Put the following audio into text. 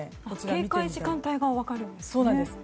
警戒時間帯が分かるんですね。